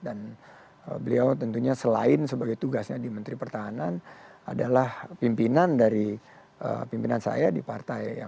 dan beliau tentunya selain sebagai tugasnya di menteri pertahanan adalah pimpinan dari pimpinan saya di partai